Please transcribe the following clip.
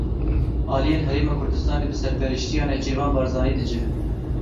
Aliyên Herêma Kurdistanê bi serpereştiya Nêçîrvan Barzanî dicivin.